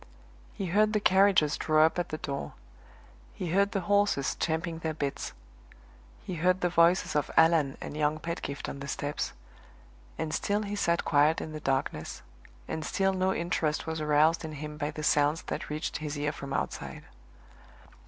He heard the carriages draw up at the door; he heard the horses champing their bits; he heard the voices of Allan and young Pedgift on the steps; and still he sat quiet in the darkness, and still no interest was aroused in him by the sounds that reached his ear from outside.